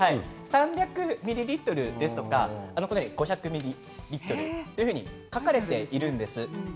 ３００ミリリットルや５００ミリリットルと書かれているんです。